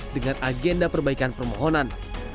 dengan agenda perbaikan permohonan